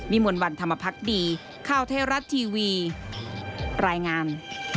ได้วิมวลวันธรรมพักดีข้าวเทราะทีวีรายงาน